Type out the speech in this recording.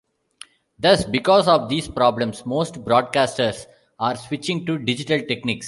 Thus, because of these problems, most broadcasters are switching to digital techniques.